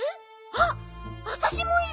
あっわたしもいる！